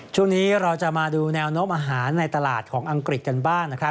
ช่วงนี้เราจะมาดูแนวโน้มอาหารในตลาดของอังกฤษกันบ้างนะครับ